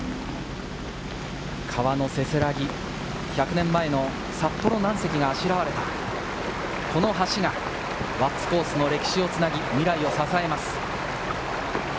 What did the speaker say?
川のせせらぎ、１００年前の札幌軟石があしらわれたこの橋が輪厚コースの歴史をつなぎ、未来を支えます。